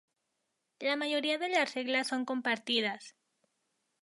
La mayoría de las reglas son compartidas.